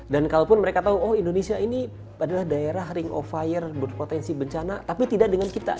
dan kalaupun mereka tahu oh indonesia ini adalah daerah ring of fire berpotensi bencana tapi tidak dengan kita